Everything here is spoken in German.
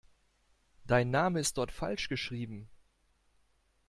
Dein Name ist dort falsch geschrieben.